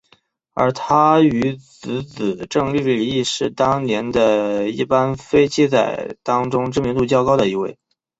而他与姊姊郑丽丽亦是当年的一班飞机仔当中知名度较高的一位。